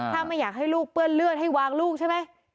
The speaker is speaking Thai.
ถ้าไม่อยากให้ลูกเปื้อนเลือดให้วางลูกใช่ไหม